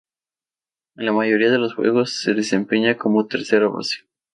En la mayoría de los juegos se desempeñaba como tercera base.